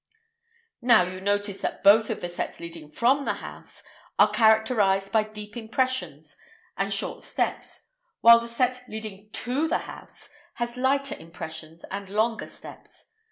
Now, you notice that both of the sets leading from the house are characterized by deep impressions and short steps, while the set leading to the house has lighter impressions and longer steps.